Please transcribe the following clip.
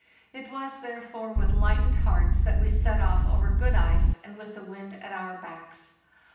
It was, therefore, with lightened hearts that we set off over good ice and with the wind at our backs.